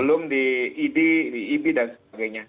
belum di ibi dan sebagainya